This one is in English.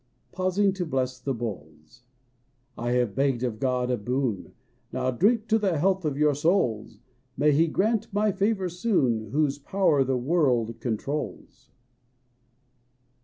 Pausing to bless the bowls) : "I have begged of God a boon ; Now drink to the health of your souls! May He grant my favor soon Whose power the world controls